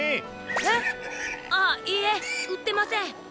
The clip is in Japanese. えっ⁉あっいいえ売ってません！